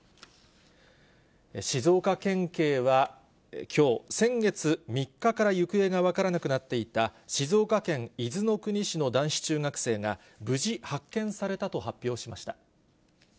静岡県警はきょう、先月３日から行方が分からなくなっていた、静岡県伊豆の国市の男子中学生が無事、発見されたと発表しました。